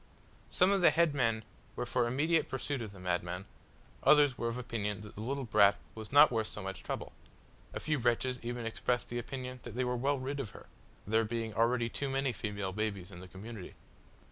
Some of the head men were for immediate pursuit of the madman; others were of opinion that the little brat was not worth so much trouble; a few wretches even expressed the opinion that they were well rid of her there being already too many female babies in the community!